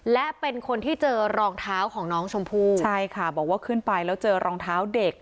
และเป็นคนที่เจอรองเท้าของน้องชมพู่ใช่ค่ะบอกว่าขึ้นไปแล้วเจอรองเท้าเด็ก